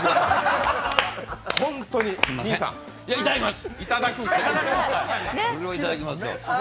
いただきます。